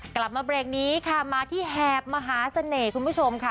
กลับมาเบรกนี้ค่ะมาที่แหบมหาเสน่ห์คุณผู้ชมค่ะ